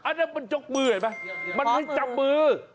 อันนั้นมันจกมือเห็นไหมมันมีจับมือ